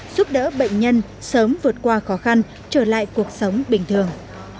giúp đỡ bệnh nhân sớm vượt qua khó khăn trở lại cuộc sống bình thường